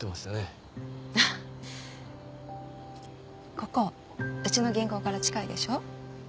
ここうちの銀行から近いでしょ？